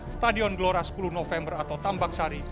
stadion gelora sepuluh november atau tambak sari